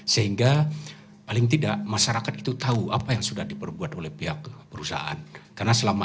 sehingga paling tidak masyarakat itu tahu apa yang sudah diperbuat oleh pihak perusahaan karena selama